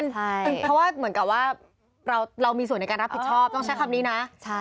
เพราะว่าเหมือนกับว่าเรามีส่วนในการรับผิดชอบต้องใช้คำนี้นะ